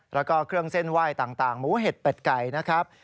แล้วก็เครื่องเส้นไหว้ต่างหมูเห็ดเป็ดไก่นะครับ